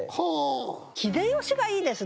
「秀吉」がいいですね。